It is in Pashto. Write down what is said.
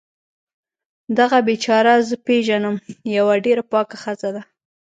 دغه بیچاره زه پیږنم یوه ډیره پاکه ښځه ده